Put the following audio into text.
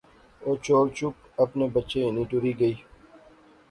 او چول چپ اپنے بچے ہنی ٹری گئی